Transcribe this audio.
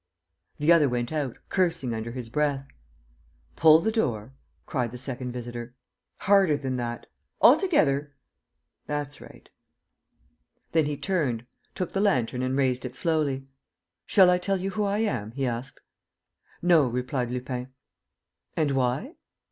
The other went out, cursing under his breath. "Pull the door!" cried the second visitor. "Harder than that. ... Altogether! ... That's right. ..." Then he turned, took the lantern and raised it slowly: "Shall I tell you who I am?" he asked. "No," replied Lupin. "And why?"